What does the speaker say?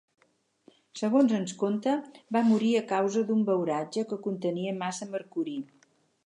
Segons es conta va morir a causa d'un beuratge que contenia massa mercuri.